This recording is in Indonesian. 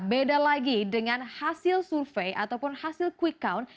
beda lagi dengan hasil survei ataupun hasil quick count